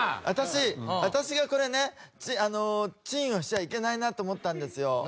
私私がこれね珍を押しちゃいけないなと思ったんですよ。